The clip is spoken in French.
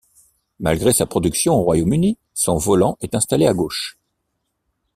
Malgré sa production au Royaume-Uni, son volant est installé à gauche.